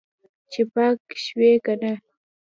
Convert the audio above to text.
چې پاک شوی که نه.